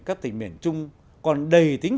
các tỉnh miền trung còn đầy tính